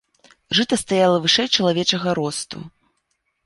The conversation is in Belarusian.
Жыта стаяла вышэй чалавечага росту.